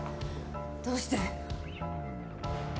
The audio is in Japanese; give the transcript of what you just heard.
どうして？